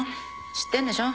知ってんでしょ？